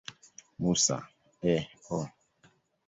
Musa, A. O.